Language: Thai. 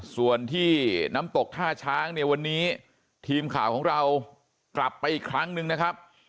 ส่วนที่น้ำตกท่าช้างเนี่ยวันนี้ทีมข่าวของเรากลับไปอีกครั้งนึงนะครับ